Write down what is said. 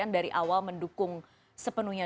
dari awal mendukung sepenuhnya